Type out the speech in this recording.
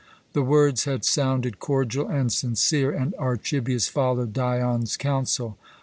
The words had sounded cordial and sincere, and Archibius followed Dion's counsel.